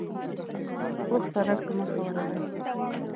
پوخ سړک په مخه ورغی.